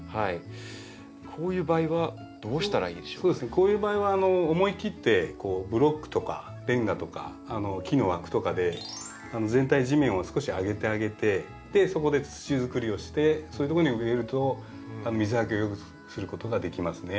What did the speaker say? こういう場合は思い切ってこうブロックとかレンガとか木の枠とかで全体地面を少し上げてあげてそこで土づくりをしてそういうとこに植えると水はけをよくすることができますね。